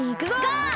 ゴー！